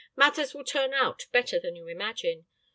Matters will turn out better than you imagine.